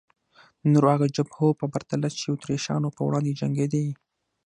د نورو هغو جبهو په پرتله چې د اتریشیانو په وړاندې جنګېدې.